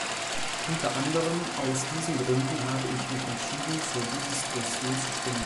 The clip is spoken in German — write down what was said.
Unter anderem aus diesen Gründen habe ich mich entschieden, für dieses Dossier zu stimmen.